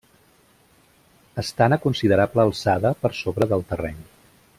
Estan a considerable alçada per sobre del terreny.